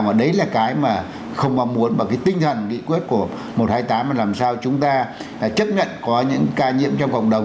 và đấy là cái mà không có muốn và cái tinh thần kỹ quyết của một trăm hai mươi tám là làm sao chúng ta chấp nhận có những ca nhiễm trong cộng đồng